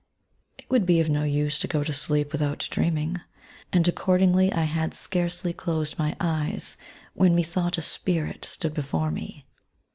It would be of no use to go to sleep without dreaming; and, accordingly, I had scarcely closed my eyes when, methought, a spirit stood before me.